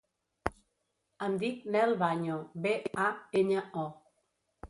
Em dic Nel Baño: be, a, enya, o.